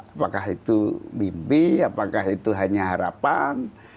apakah itu mimpi apakah itu hanya harapan